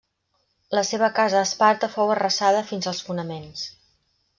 La seva casa a Esparta fou arrasada fins als fonaments.